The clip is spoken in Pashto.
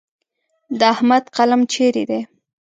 د احمد قلم چیرې دی؟